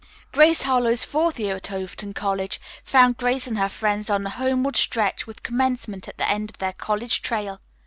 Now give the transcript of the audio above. "Grace Harlowe's Fourth Year at Overton College" found Grace and her friends on the homeward stretch with commencement at the end of their college trail.